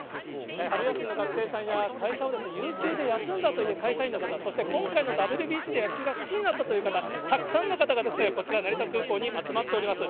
春休みの学生さんや会社を有給で休んだという会社員の方、そして今回のＷＢＣで野球が好きになったという方、たくさんの方が、こちら成田空港に集まっております。